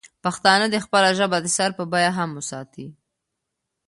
پښتانه دې خپله ژبه د سر په بیه هم وساتي.